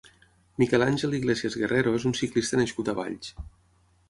Miquel Àngel Iglesias Guerrero és un ciclista nascut a Valls.